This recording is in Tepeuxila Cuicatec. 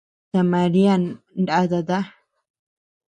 Ta Marian ndatata.